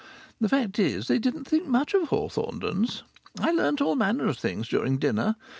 The fact is, they didn't think much of Hawthornden's. I learnt all manner of things during dinner.